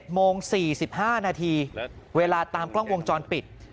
โมง๔๕นาทีเวลาตามกล้องวงจรปิด